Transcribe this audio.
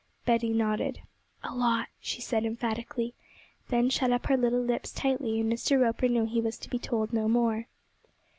Betty nodded. 'A lot,' she said emphatically, then shut up her little lips tightly; and Mr. Roper knew he was to be told no more.